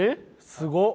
すごっ！